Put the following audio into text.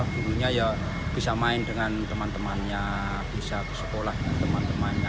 dulunya ya bisa main dengan teman temannya bisa ke sekolah dengan teman temannya